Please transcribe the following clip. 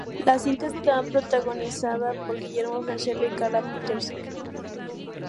La cinta está protagonizada por Guillermo Francella y Carla Peterson.